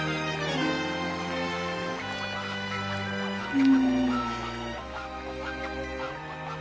うん！